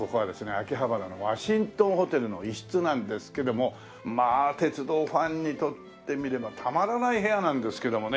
秋葉原のワシントンホテルの一室なんですけどもまあ鉄道ファンにとってみればたまらない部屋なんですけどもね。